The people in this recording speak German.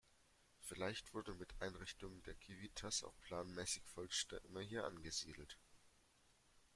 Vielleicht wurden mit Einrichtung der Civitas auch planmäßig Volksstämme hier angesiedelt.